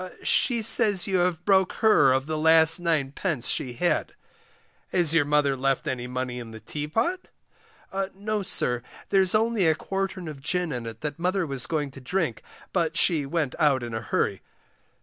She says you have broke her of the last 9d. she had. Has your mother left any money in the teapot? No, sir, there's only a quartern of gin in it that mother was going to drink, but she went out in a hurry.